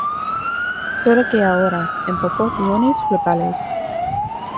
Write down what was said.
Sólo que ahora, en proporciones globales.